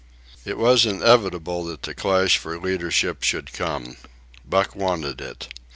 It was inevitable that the clash for leadership should come. Buck wanted it.